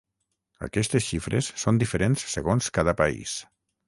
Aquestes xifres són diferents segons cada país.